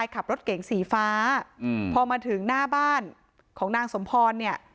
ขับรถเก๋งสีฟ้าพอมาถึงหน้าบ้านของนางสมพรเนี่ย